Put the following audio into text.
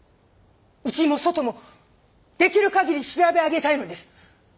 内も外もできる限り調べ上げたいのです。